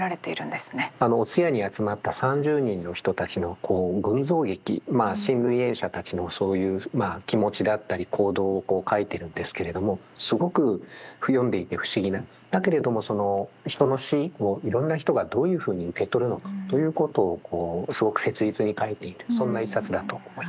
あの通夜に集まった３０人の人たちのこう群像劇まあ親類縁者たちのそういう気持ちだったり行動を書いているんですけれどもすごく読んでいて不思議なだけれどもその人の死をいろんな人がどういうふうに受け取るのかということをこうすごく切実に書いているそんな一冊だと思います。